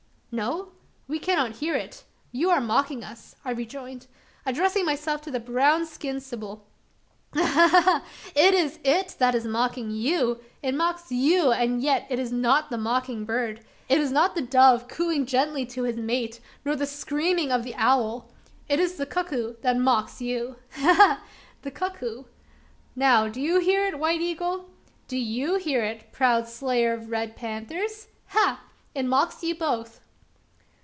"No? we cannot hear it; you are mocking us," I rejoined, addressing myself to the brown skinned, sibyl. "Ha! ha! ha! It is it that is mocking you. It mocks you, and yet it is not the mocking bird. It is not the dove cooing gently to his mate, nor the screaming of the owl. It is the cuckoo that mocks you! ha! ha! the cuckoo! Now, do you hear it, White Eagle? Do you hear it, proud slayer of red panthers? Ha! it mocks you both!"